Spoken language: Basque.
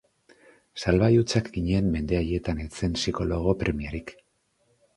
Salbai hutsak ginen mende haietan ez zen psikologo premiarik.